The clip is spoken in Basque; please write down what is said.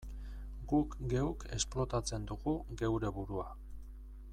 Guk geuk esplotatzen dugu geure burua.